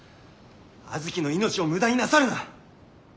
阿月の命を無駄になさるな。